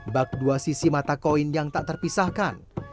bak dua sisi mata koin yang tak terpisahkan